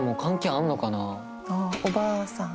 ああおばあさん